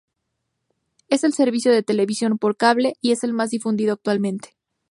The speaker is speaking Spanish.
Es el servicio de televisión por cable y es el más difundido actualmente.